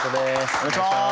お願いします。